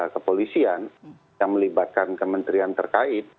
kepolisian yang melibatkan kementerian terkait